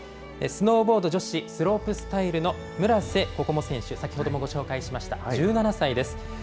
スノーボード女子スロープスタイルの村瀬心椛選手、先ほどもご紹介しました、１７歳です。